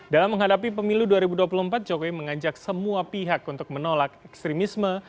dalam menghadapi pemilu dua ribu dua puluh empat jokowi mengajak semua pihak untuk menolak ekstremisme